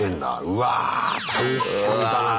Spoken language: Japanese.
うわ大変だなこれ。